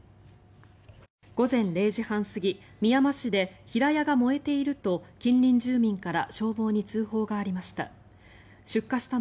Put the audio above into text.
午前０時半過ぎ、みやま市で平屋が燃えていると近隣住民から消防に通報がありました。